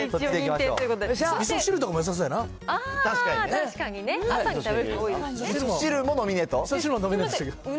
みそ汁とかもよさそうやな。